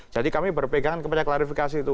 jadi kami berpegangan kepada klarifikasi itu